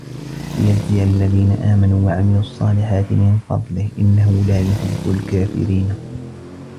لِيَجزِيَ الَّذينَ آمَنوا وَعَمِلُوا الصّالِحاتِ مِن فَضلِهِ إِنَّهُ لا يُحِبُّ الكافِرينَ